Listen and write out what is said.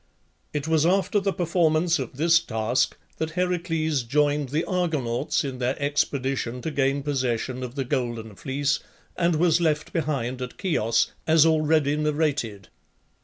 It was after the performance of this task that Heracles joined the Argonauts in their expedition to gain possession of the Golden Fleece, and was left behind at Chios, as already narrated.